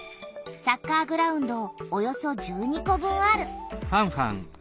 サッカーグラウンドおよそ１２個分ある。